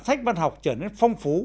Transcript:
sách văn học trở nên phong phú